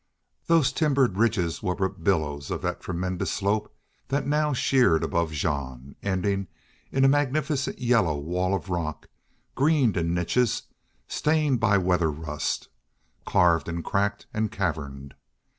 Those timbered ridges were but billows of that tremendous slope that now sheered above Jean, ending in a magnificent yellow wall of rock, greened in niches, stained by weather rust, carved and cracked and caverned.